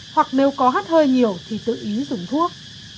hoặc nếu có hát hơi nhiều thì tự ý dùng thuốc